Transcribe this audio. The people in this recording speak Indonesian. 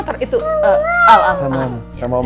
atau jalan jalan sekitar rumah